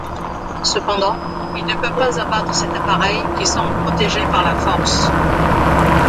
Cependant, il ne peut pas abattre cet appareil qui semble protégé par la Force.